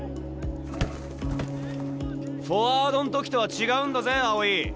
フォワードん時とは違うんだぜ青井。